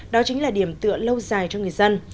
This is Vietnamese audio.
đó chính là điểm tựa lâu dài cho người dân